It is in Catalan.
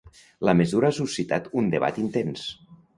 La mesura ha suscitat un debat intens.